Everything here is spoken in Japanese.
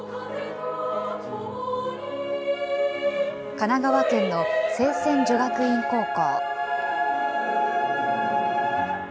神奈川県の清泉女学院高校。